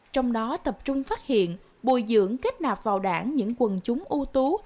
trong đó tập trung phát hiện bồi dưỡng kết nạp vào đảng những quần chúng ưu tú